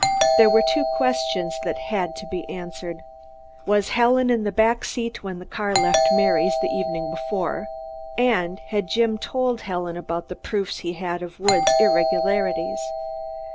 There were two questions that had to be answered. Was Helen in the back seat when the car left Mary's the evening before; and had Jim told Helen about the proofs he had of Woods' irregularities?